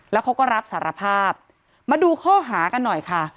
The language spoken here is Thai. แล้วเขาก็รับสารภาพมาดูข้อหากันหน่อยค่ะ